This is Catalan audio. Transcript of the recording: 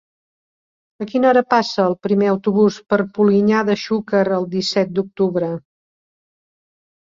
A quina hora passa el primer autobús per Polinyà de Xúquer el disset d'octubre?